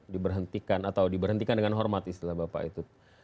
diberhentikan atau diberhentikan dengan hormat istilah bapak itu